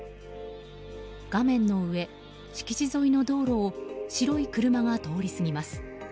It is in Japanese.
画面の上、敷地沿いの道路を白い車が通り過ぎます。